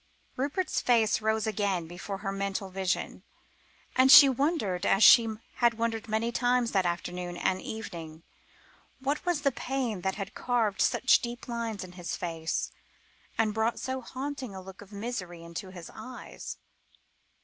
Rupert's face rose again before her mental vision, and she wondered as she had wondered many times that afternoon and evening, what was the pain that had carved such deep lines in his face, and brought so haunting a look of misery into his eyes.